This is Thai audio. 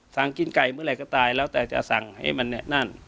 สั่งกินไก่เมื่อไหร่ก็ตายแล้วแต่จะสั่งให้มันนั่น